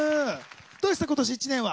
どうでした今年１年は。